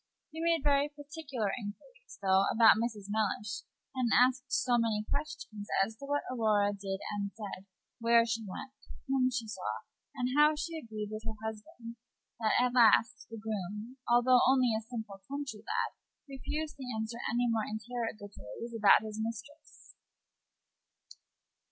He made very particular inquiries, though, about Mrs. Mellish, and asked so many questions as to what Aurora did and said, where she went, whom she saw, and how she agreed with her husband, that at last the groom, although only a simple country lad, refused to answer any more interrogatories about his mistress.